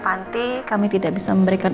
panti kami tidak bisa memberikan